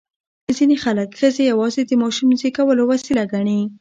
ځینې خلک ښځې یوازې د ماشوم زېږولو وسیله ګڼي.